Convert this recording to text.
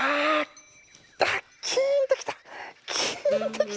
キーンときた！